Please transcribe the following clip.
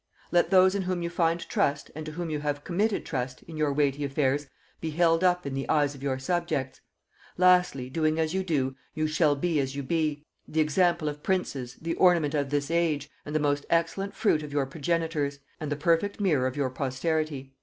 Let those in whom you find trust, and to whom you have committed trust, in your weighty affairs, be held up in the eyes of your subjects: Lastly, doing as you do, you shall be as you be, the example of princes, the ornament of this age, and the most excellent fruit of your progenitors, and the perfect mirror of your posterity."